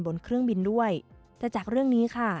บนเครื่องบินด้วยแต่จากเรื่องนี้ค่ะ